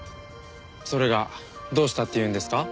それがどうしたっていうんですか？